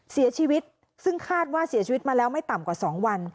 เสียชีวิตซึ่งคาดว่าเสียชีวิตมาแล้วไม่ต่ำกว่า๒วัน